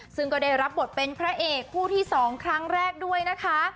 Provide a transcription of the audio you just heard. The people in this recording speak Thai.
ซึ่งก็ได้รับบทเป็นพระเอกผู้ที่๒ครั้งแรกด้วยนะคะ